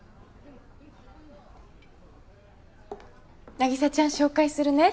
凪沙ちゃん紹介するね。